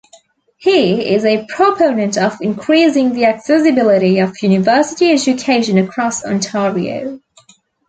He is a proponent of increasing the accessibility of university education across Ontario.